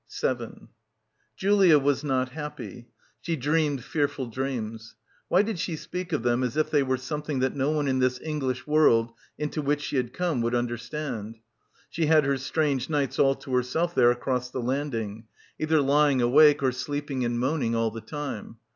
7 Julia was not happy. She dreamed fearful dreams. ... W\vy did she speak of .them as if they were something that no one in this English world into which she had come would under stand? She had her strange nights all to herself there across the landing; either lying awake or sleeping and moaning all the time.